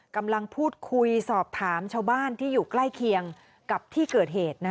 กำลังพูดคุยสอบถามชาวบ้านที่อยู่ใกล้เคียงกับที่เกิดเหตุ